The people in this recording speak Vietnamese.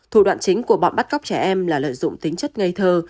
thủ đoạn chính của bọn bắt cóc trẻ em là lợi dụng tính chất ngây thơ